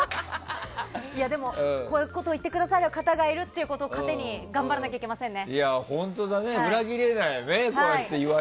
でも、こういうことを言ってくださる方がいることを糧に頑張らなきゃいけませんね。